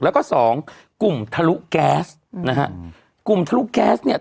แล้วก็สองกลุ่มทะลุแก๊สนะฮะกลุ่มทะลุแก๊สเนี่ย